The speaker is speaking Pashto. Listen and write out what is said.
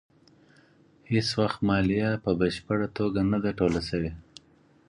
هېڅ وخت مالیه په بشپړه توګه نه ده ټوله شوې.